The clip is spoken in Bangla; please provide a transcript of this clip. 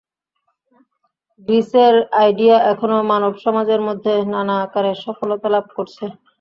গ্রীসের আইডিয়া এখনো মানবসমাজের মধ্যে নানা আকারে সফলতা লাভ করছে।